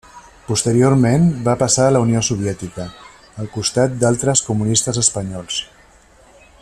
Posteriorment va passar a la Unió Soviètica, al costat d'altres comunistes espanyols.